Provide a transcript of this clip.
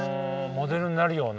モデルになるような。